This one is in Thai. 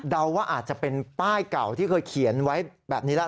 ว่าอาจจะเป็นป้ายเก่าที่เคยเขียนไว้แบบนี้แล้ว